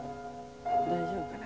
大丈夫かな。